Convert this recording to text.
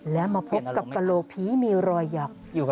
และมาพบกับกระโหลกผีมีรอยหยอก